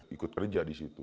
ikut kerja di situ